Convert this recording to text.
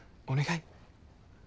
お願い。